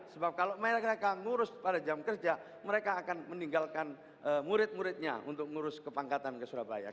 sebab kalau mereka ngurus pada jam kerja mereka akan meninggalkan murid muridnya untuk ngurus kepangkatan ke surabaya